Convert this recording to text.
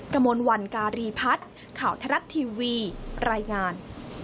กระมวลวันการีพัฒน์ข่าวทรัฐทีวีรายงาน